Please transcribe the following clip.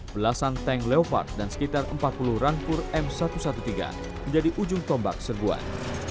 belasan tank leopard dan sekitar empat puluh rampur m satu ratus tiga belas menjadi ujung tombak serbuan